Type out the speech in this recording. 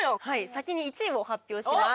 先に１位を発表します。